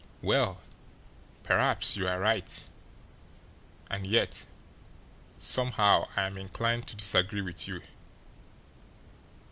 "Well, perhaps you are right; and yet; somehow, I am inclined to disagree with you.